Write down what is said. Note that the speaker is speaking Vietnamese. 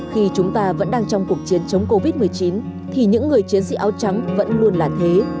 khi chúng ta vẫn đang trong cuộc chiến chống covid một mươi chín thì những người chiến sĩ áo trắng vẫn luôn là thế